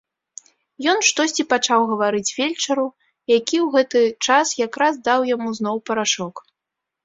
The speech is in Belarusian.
Ён штосьці пачаў гаварыць фельчару, які ў гэты час якраз даў яму зноў парашок.